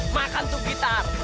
makan tuh gitar